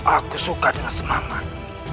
aku suka dengan semangat